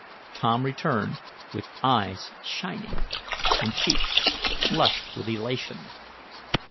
Tom returned, with eyes shining, and cheeks flushed with elation.